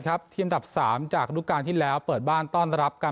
ครับทีมดับสามจากทุกการที่แล้วเปิดบ้านต้อนรับการ